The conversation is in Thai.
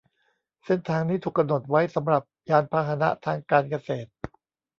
เส้นทางนี้ถูกกำหนดไว้สำหรับยานพาหนะทางการเกษตร